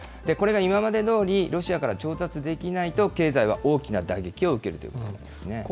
これが今までどおり、ロシアから調達できないと、経済は大きな打撃を受けるということになりますね。